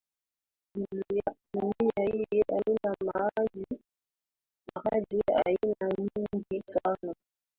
Dunia hii ina maradhi aina nyingi sana.